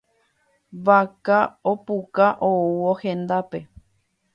Vaka opuka oúvo hendápe.